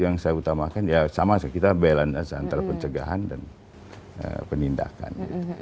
yang saya utamakan ya sama sekitar balance antara pencegahan dan penindakan